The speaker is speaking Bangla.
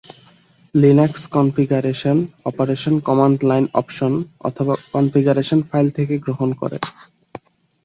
Linux configuration option command line option অথবা কনফিগারেশন ফাইল থেকে গ্রহণ করে।